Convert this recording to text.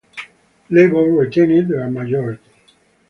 Labour retained their majority.